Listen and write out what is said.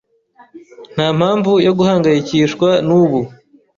Ntampamvu yo guhangayikishwa nubu.